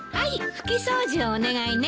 拭き掃除をお願いね。